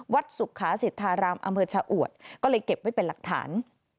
วัดศุกขาศิษฐารามอเมิร์ชาอวดก็เลยเก็บไว้เป็นหลักฐาน